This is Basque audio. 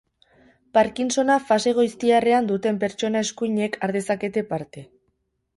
Parkinsona fase goiztiarrean duten pertsona eskuinek har dezakete parte.